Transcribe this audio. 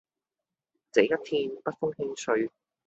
這一天，北風輕吹